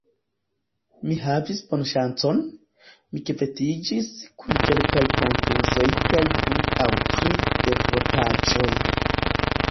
Mi havis bonŝancon, mi kvitiĝis kun kelkaj kontuzoj kaj du aŭ tri defrotaĵoj.